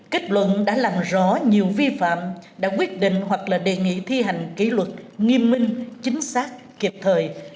kết luận đã làm rõ nhiều vi phạm đã quyết định hoặc là đề nghị thi hành kỷ luật nghiêm minh chính xác kịp thời